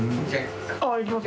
△行きます？